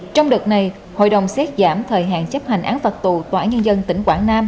trong đợt này hội đồng xét giảm thời hạn chấp hành án phạt tù tòa án nhân dân tỉnh quảng nam